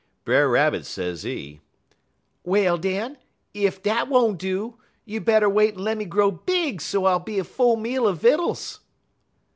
"Brer Rabbit, sezee, 'Well, den, ef dat won't do, you better wait en lemme grow big so I'll be a full meal er vittles.'